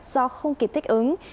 do không kịp thích ứng